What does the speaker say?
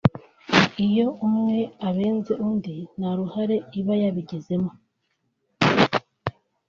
N’iyo umwe abenze undi nta ruhare iba yabigizemo